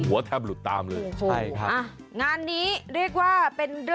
วิทยาลัยศาสตร์อัศวิทยาลัยศาสตร์